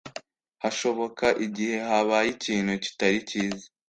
hashoboka igihe habaye ikintu kitari kiza